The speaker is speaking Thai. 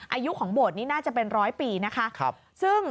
อายุของโบดนี้น่าจะเป็นแค่๑๐๐ปีนะคะครับซึ่ง